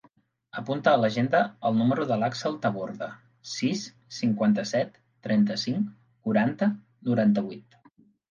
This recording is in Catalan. Apunta a l'agenda el número de l'Àxel Taborda: sis, cinquanta-set, trenta-cinc, quaranta, noranta-vuit.